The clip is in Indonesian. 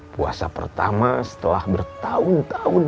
puasa pertama setelah bertahun tahun